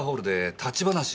立ち話を。